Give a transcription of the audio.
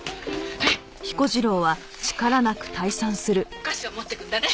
お菓子は持ってくんだね。